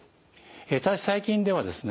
ただし最近ではですね